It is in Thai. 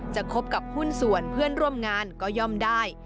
คบกับหุ้นส่วนเพื่อนร่วมงานก็ย่อมได้